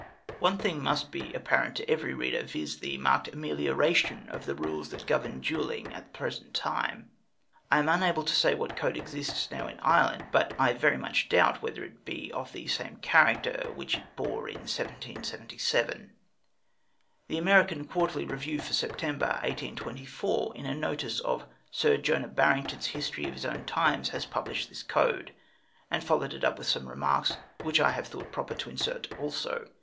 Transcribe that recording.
One thing must be apparent to every reader, viz., the marked amelioration of the rules that govern in duelling at the present time. I am unable to say what code exists now in Ireland, but I very much doubt whether it be of the same character which it bore in 1777. The American Quarterly Review for September, 1824, in a notice of Sir Jonah Barrington's history of his own times, has published this code; and followed it up with some remarks, which I have thought proper to insert also.